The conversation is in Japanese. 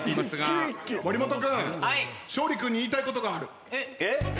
森本君勝利君に言いたいことがある。